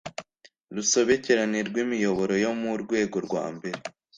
rusobekerane rw imiyoboro yo mu rwego rwambere